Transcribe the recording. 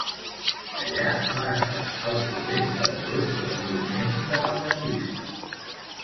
Allà, va estar al corrent dels brots del moviment independentista.